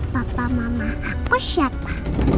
bapak mama aku siapa